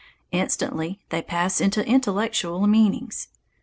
Instantly they pass into intellectual meanings.